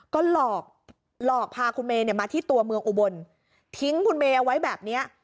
ก็หลอกหลอกพาคุณเมย์มาที่ตัวเมืองอุบลทิ้งคุณเมย์เอาไว้แบบเนี้ย